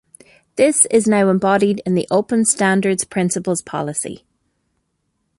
This is now embodied in the Open Standards principles policy.